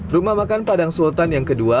rumah makan padang sultan yang kedua